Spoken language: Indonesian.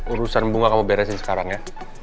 urusan bunga kamu beresin sekarang ya